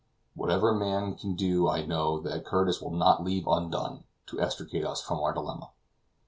Whatever man can do I know that Curtis will not leave undone to extricate us from our dilemma."